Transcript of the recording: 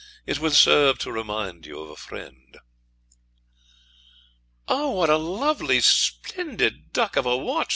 'It will serve to remind you of a friend.' 'Oh, what a lovely, splendid duck of a watch!'